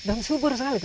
dan subur sekali